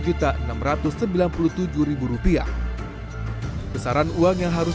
besaran uang yang harus dikeluarkan adalah satu enam ratus sembilan puluh tujuh rupiah dan dua enam ratus sembilan puluh tujuh rupiah